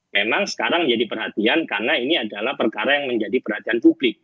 memang sekarang menjadi perhatian karena ini adalah perkara yang menjadi perhatian publik